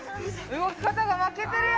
動き方が負けてるよ。